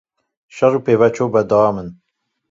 Şer û pevçûn berdewam in.